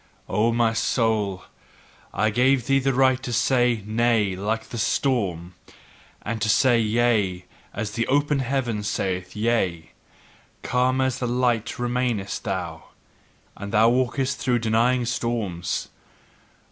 O my soul, I gave thee the right to say Nay like the storm, and to say Yea as the open heaven saith Yea: calm as the light remainest thou, and now walkest through denying storms.